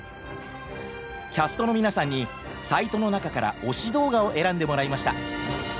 キャストの皆さんにサイトの中から推し動画を選んでもらいました。